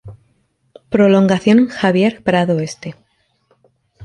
Prolongación Javier Prado Este.